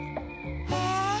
へえ！